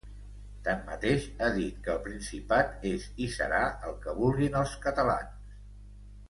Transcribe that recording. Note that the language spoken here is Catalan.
Tanmateix, ha dit que el Principat és i serà el que vulguin els catalans.